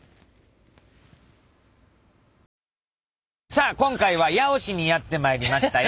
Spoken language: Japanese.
さあ今回は八尾市にやって参りましたよ。